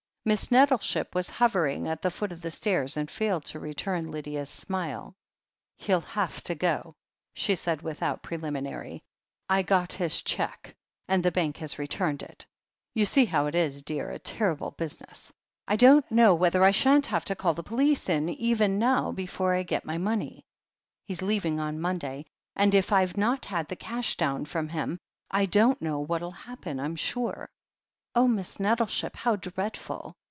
Miss Nettleship was hovering at the foot of the stairs and failed to return Lydia's smile. "He'll have to go," she said without preliminary. "I got his cheque, and the Bank has returned it. You see how it is, dear — a terrible business. I don't know whether I shan't have to call the police in even now before I get my money. He's leaving on Monday, and if I've not had the cash down from him, I don't know what'U happen, I'm sure." "Oh, Miss Nettleship, how dreadful!